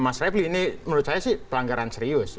mas refli ini menurut saya sih pelanggaran serius